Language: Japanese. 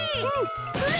それ！